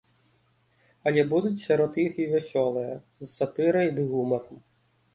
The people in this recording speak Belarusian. Але будуць сярод іх і вясёлыя, з сатырай ды гумарам.